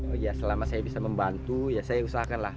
oh ya selama saya bisa membantu ya saya usahakanlah